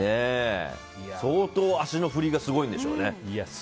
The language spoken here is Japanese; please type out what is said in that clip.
相当、足の振りがすごいんでしょうね。